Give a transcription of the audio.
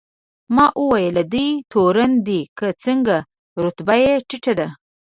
ما وویل: دی تورن دی که څنګه؟ رتبه یې ټیټه ده.